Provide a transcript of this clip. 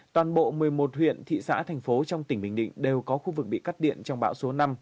toàn bộ một mươi một huyện thị xã thành phố trong tỉnh bình định đều có khu vực bị cắt điện trong bão số năm